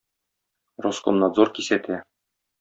Роскомнадзор кисәтә!